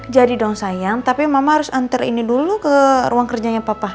jadi dong sayang tapi mama harus antar ini dulu ke ruang kerjanya papa